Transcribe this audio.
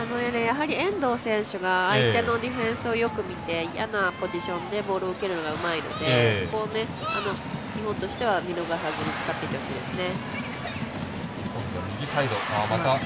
遠藤選手が相手のディフェンスをよく見て嫌なポジションでボールを受けるのがうまいのでそこを日本としては見逃さないでいきたいですね。